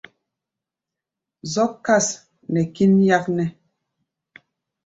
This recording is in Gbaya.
Zɔ́k kâs nɛ kín yáknɛ́.